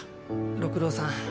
六郎さん